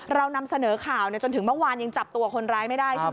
เรานำเสนอข่าวจนถึงเมื่อวานยังจับตัวคนร้ายไม่ได้ใช่ไหม